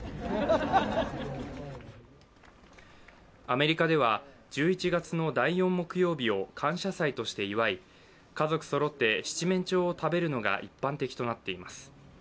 アメリカでは１１月の第４木曜日を感謝祭として祝い、家族そろって七面鳥を食べるのが一般的となっています。